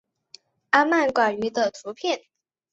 阿曼蛙蟾鱼的图片